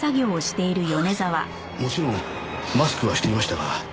もちろんマスクはしていましたが。